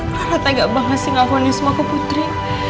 rata rata gak banget sih ngakonin semuaku putri